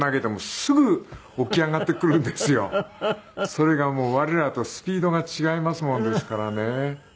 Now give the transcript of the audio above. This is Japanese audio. それが我らとスピードが違いますもんですからね。